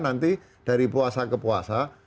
nanti dari puasa ke puasa